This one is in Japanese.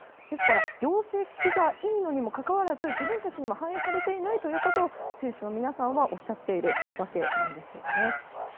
ですから業績がいいにもかかわらず自分たちには反映されていないことを選手の皆さんはおっしゃっているわけなんです。